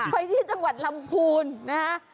ไปที่จังหวัดลำพูนนะฮะ